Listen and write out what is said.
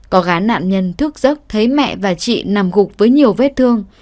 có gái nạn nhân thước giấc thấy mẹ và chị nằm gục với nhiều vết thương